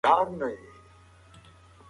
ده د خپلې زمانې ټول علوم لوستي وو